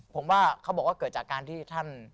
ผมว่าเขาบอกว่าเกิดจากการที่ท่าน